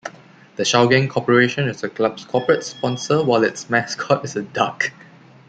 The Shougang Corporation is the club's corporate sponsor while its mascot is a duck.